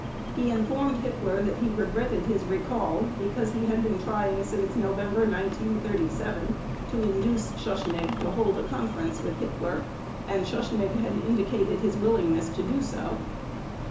He informed Hitler that he regretted his recall because he had been trying since November 1937 to induce Schuschnigg to hold a conference with Hitler and Schuschnigg had indicated his willingness to do so.